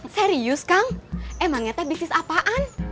serius kang emangnya teh bisnis apaan